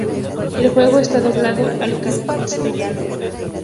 El juego está doblado al castellano.